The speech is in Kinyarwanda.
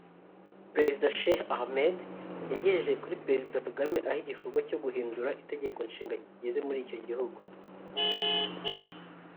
Perezida Sheikh Ahmed yagejeje kuri Perezida Kagame aho igikorwa cyo guhindura itegeko nshinga kigeze muri icyo gihugu